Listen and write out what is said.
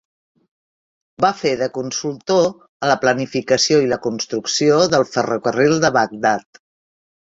Va fer de consultor a la planificació i la construcció del ferrocarril de Baghdad.